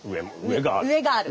上がある。